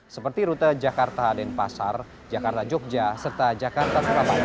seperti rute jakarta denpasar jakarta jogja serta jakarta surabaya